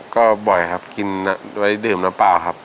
ก็บ่อยครับกินไว้ดื่มน้ำเปล่าครับ